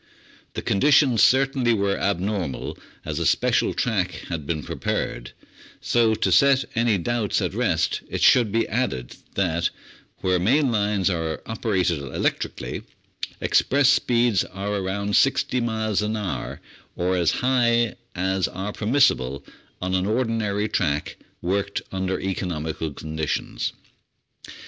The conditions certainly were abnormal, as a special track had been prepared; so to set any doubts at rest it should be added that, where main lines are operated electrically, express speeds are around 60 miles an hour, or as high as are permissible on an ordinary track worked under economical conditions.